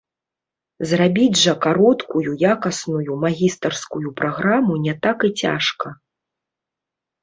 Зрабіць жа кароткую якасную магістарскую праграму не так і цяжка.